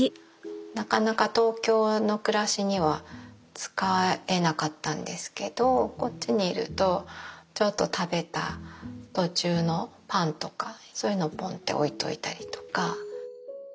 なかなか東京の暮らしには使えなかったんですけどこっちにいるとちょっと食べた途中のパンとかそういうのをポンと置いといたりとか。